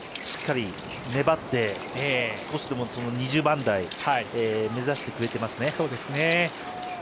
しっかり粘って少しでも２０番台を目指してくれていますね。